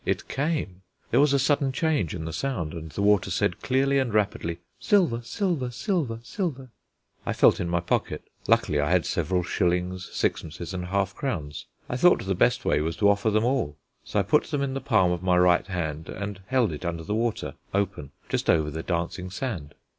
It came. There was a sudden change in the sound, and the water said clearly and rapidly, "Silver silver silver silver." I felt in my pocket. Luckily I had several shillings, sixpences and half crowns. I thought the best way was to offer them all, so I put them in the palm of my right hand and held it under the water, open, just over the dancing sand.